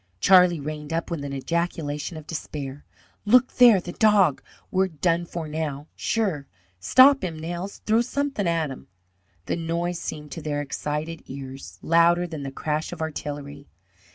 Charlie reined up with an ejaculation of despair; "Look there, the dog! We're done for now, sure! Stop him, Nels! Throw somethin' at 'im!" The noise seemed to their excited ears louder than the crash of artillery.